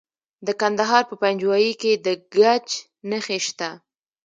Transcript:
د کندهار په پنجوايي کې د ګچ نښې شته.